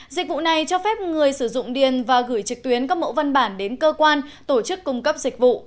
dịch vụ này cho phép người sử dụng điền và gửi trực tuyến các mẫu văn bản đến cơ quan tổ chức cung cấp dịch vụ